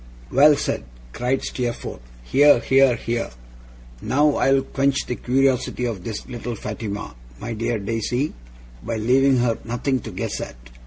'Well said!' cried Steerforth. 'Hear, hear, hear! Now I'll quench the curiosity of this little Fatima, my dear Daisy, by leaving her nothing to guess at.